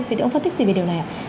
vậy thì ông phân tích gì về điều này ạ